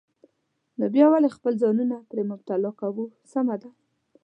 نو بیا ولې خپل ځانونه پرې مبتلا کوو؟ سمه ده.